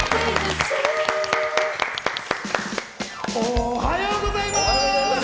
おはようございます！